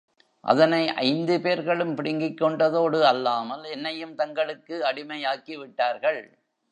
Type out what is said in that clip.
அதனை ஐந்து பேர்களும் பிடுங்கிக் கொண்டதோடு அல்லாமல், என்னையும் தங்களுக்கு அடிமையாக்கிவிட்டார்கள்.